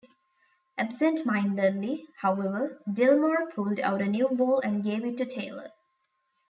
Absentmindedly, however, Delmore pulled out a new ball and gave it to Taylor.